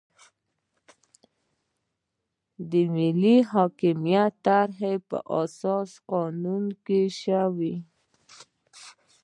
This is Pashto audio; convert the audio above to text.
د ملي حاکمیت طرحه په اساسي قانون کې شوې.